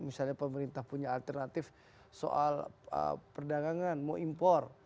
misalnya pemerintah punya alternatif soal perdagangan mau impor